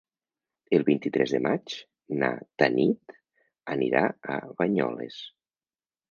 El vint-i-tres de maig na Tanit anirà a Banyoles.